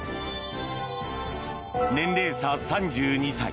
年齢差３２歳。